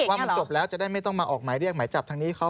ว่ามันจบแล้วจะได้ไม่ต้องมาออกหมายเรียกหมายจับทางนี้เขา